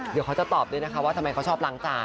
เดี๋ยวเขาจะตอบด้วยนะคะว่าทำไมเขาชอบล้างจาน